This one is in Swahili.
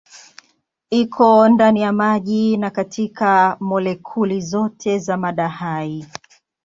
Iko ndani ya maji na katika molekuli zote za mada hai.